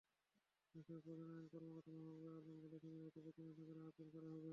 রাষ্ট্রের প্রধান আইন কর্মকর্তা মাহবুবে আলম বলেছেন, রায়টি পর্যালোচনা করে আপিল করা হবে।